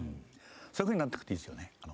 そういうふうになっていくといいですよね。